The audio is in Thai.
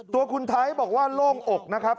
ตัวคุณไทยบอกว่าโล่งอกนะครับ